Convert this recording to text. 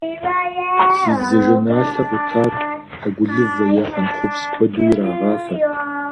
Зи дзажэналъэ къутар хьэгулывэ е хьэнтхъупс куэду ирагъафэрт.